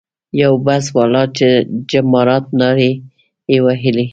یو بس والا چې جمارات نارې یې وهلې.